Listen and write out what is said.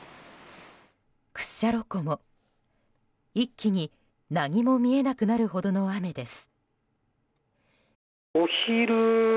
屈斜路湖も、一気に何も見えなくなるほどの雨です。